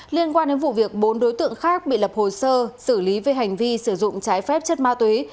liên quan đến vụ việc bốn đối tượng khác bị lập hồ sơ xử lý về hành vi sử dụng trái phép chất ma túy